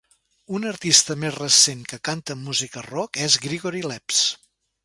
Un artista més recent que canta amb música rock és Grigory Leps.